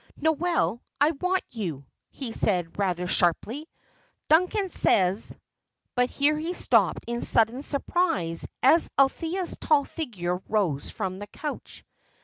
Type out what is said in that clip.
"Noel, I want you!" he said, rather sharply. "Duncan says " but here he stopped in sudden surprise as Althea's tall figure rose from the couch.